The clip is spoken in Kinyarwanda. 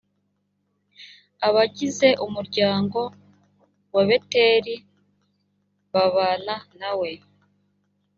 abagize umuryango wa beteli babana nawe.